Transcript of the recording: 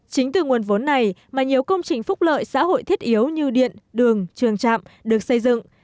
chính từ nguồn vốn này mà nhiều công trình phúc lợi xã hội thiết yếu như điện đường trường trạm được xây dựng